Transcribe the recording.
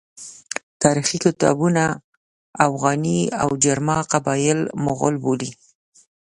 تاریخي کتابونه اوغاني او جرما قبایل مغول بولي.